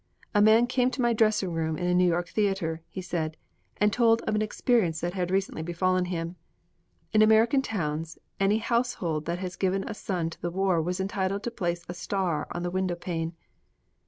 'A man came to my dressing room in a New York theater,' he said, 'and told of an experience that had recently befallen him. In American towns, any household that had given a son to the war was entitled to place a star on the window pane.